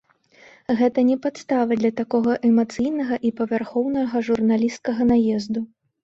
Гэта не падстава для такога эмацыйнага і павярхоўнага журналісцкага наезду.